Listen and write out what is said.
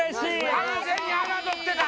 完全に侮ってた！